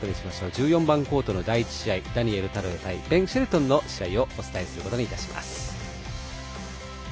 １４番コートの第１試合ダニエル太郎対ベン・シェルトンの試合をお伝えすることにいたします。